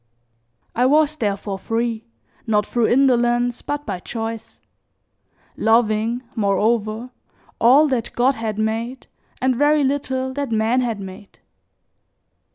I was therefore free, not through indolence but by choice; loving, moreover, all that God had made and very little that man had made.